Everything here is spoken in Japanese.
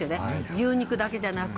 牛肉だけじゃなく。